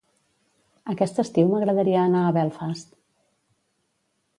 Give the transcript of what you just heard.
Aquest estiu m'agradaria anar a Belfast.